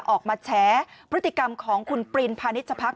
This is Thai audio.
ออกมาแฉพฤติกรรมของคุณปรินพาณิชพัก